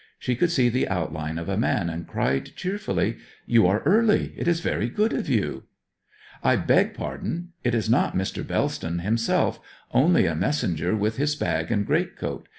She could see the outline of a man, and cried cheerfully, 'You are early; it is very good of you.' 'I beg pardon. It is not Mr. Bellston himself only a messenger with his bag and great coat.